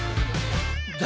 誰！？